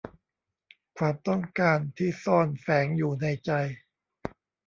ความต้องการที่ซ่อนแฝงอยู่ในใจ